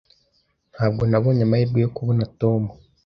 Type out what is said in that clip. Ntabwo nabonye amahirwe yo kubona Tom.